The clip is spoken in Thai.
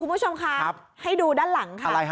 คุณผู้ชมคะให้ดูด้านหลังค่ะ